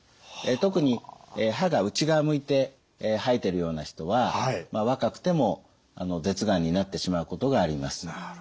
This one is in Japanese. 特に歯が内側向いて生えてるような人は若くても舌がんになってしまうことがあります。